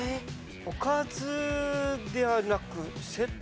おかずではなくセット。